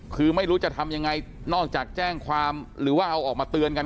คือไม่รู้จะทำยังไงนอกจากแจ้งความหรือว่าเอาออกมาเตือนกัน